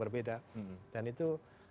berbeda dan itu